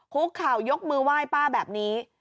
คุกเข่ายกมือไหว้ป้าแบบนี้